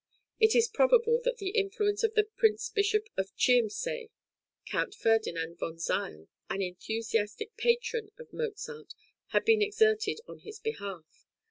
It is probable that the influence of the Prince Bishop of Chiemsee, Count Ferdinand von Zeil, an enthusiastic patron of Mozart, had been exerted on his behalf.